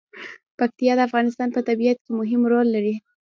پکتیا د افغانستان په طبیعت کې مهم رول لري.